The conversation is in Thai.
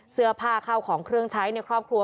เสื้อผ้าเข้าของเครื่องใช้ในครอบครัว